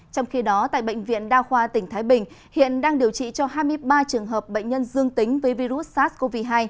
trong khi đó tại bệnh viện đa khoa tỉnh thái bình hiện đang điều trị cho hai mươi ba trường hợp bệnh nhân dương tính với virus sars cov hai